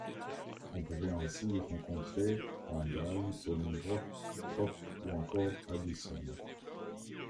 On pouvait ainsi y rencontrer Haendel, Bolingbroke, Pope ou encore Addison.